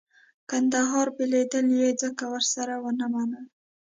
کندهار بېلېدل یې ځکه ورسره ونه منل.